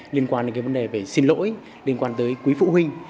liên quan đến cái vấn đề về xin lỗi liên quan tới quý phụ huynh